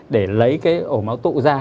để lấy cái ổ máu tụ ra